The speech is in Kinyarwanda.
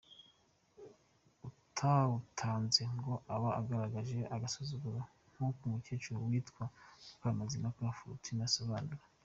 Utawutanze ngo aba agaragaje agasuzuguro; nkuko umukecuru witwa Mukamazimpaka Foritine abosobanura.